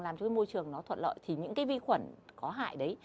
làm cho môi trường nó thuận lợi thì những cái vi khuẩn có hại đấy